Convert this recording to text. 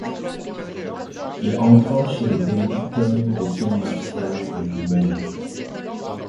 Il entra chez les bénédictins de Saint-Martial de Limoges.